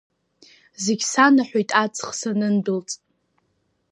Зегь санаҳәеит аҵых санындәылҵ.